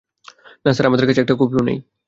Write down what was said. না, স্যার, আমাদের কাছে একটাও কপি নেই।